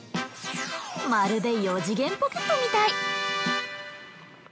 まるで四次元ポケットみたい。